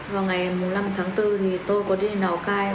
vào ngày năm tháng bốn thì tôi có đi lào cai